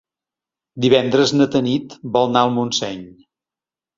Divendres na Tanit vol anar a Montseny.